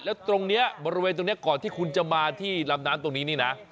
แล้วตรงนี้บริเวณตรงนี้ก่อนที่คุณจะมาที่ลำน้ำตรงนี้นี่นะ